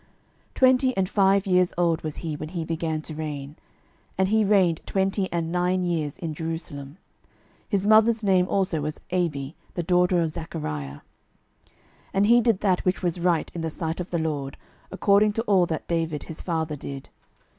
12:018:002 Twenty and five years old was he when he began to reign; and he reigned twenty and nine years in Jerusalem. His mother's name also was Abi, the daughter of Zachariah. 12:018:003 And he did that which was right in the sight of the LORD, according to all that David his father did.